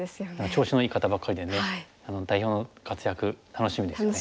調子のいい方ばかりでね代表の活躍楽しみですよね。